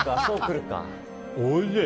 おいしい！